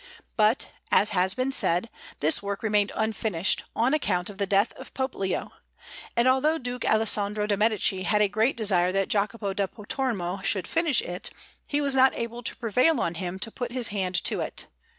But, as has been said, this work remained unfinished, on account of the death of Pope Leo; and although Duke Alessandro de' Medici had a great desire that Jacopo da Pontormo should finish it, he was not able to prevail on him to put his hand to it.